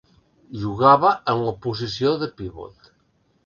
Jugava en la posició de pivot.